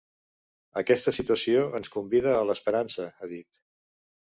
Aquesta situació ens convida a l’esperança, ha dit.